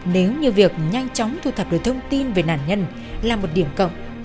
nếu như việc nhanh chóng thu thập được thông tin về nạn nhân là một điểm cộng